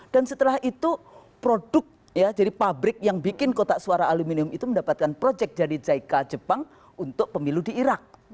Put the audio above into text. dan setelah itu produk ya jadi pabrik yang bikin kotak suara aluminium itu mendapatkan projek jadi jica jepang untuk pemilu di irak